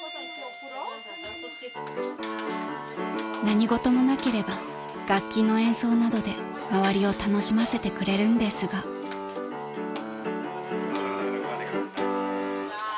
［何事もなければ楽器の演奏などで周りを楽しませてくれるんですが］わ！